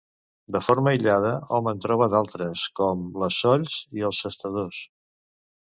De forma aïllada hom en troba d'altres, com les solls i els sestadors.